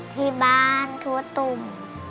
ที่บ้านถั่วตุ่ม